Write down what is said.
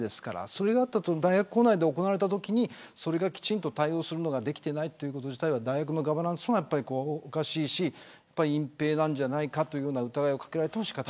それが大学構内で行われたときにきちんと対応ができていないということは大学のガバナンスもおかしいし隠ぺいなんじゃないかという疑いを掛けられても仕方がない。